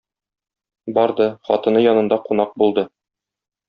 Барды, хатыны янында кунак булды.